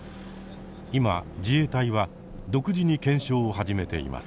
今自衛隊は独自に検証を始めています。